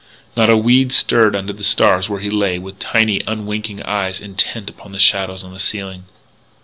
Not a weed stirred under the stars where he lay with tiny, unwinking eyes intent upon the shadows on the ceiling.